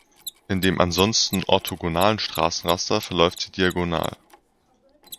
In dem ansonsten orthogonalen Straßenraster verläuft sie diagonal.